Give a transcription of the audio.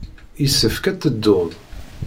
Yessefk ad tedduḍ.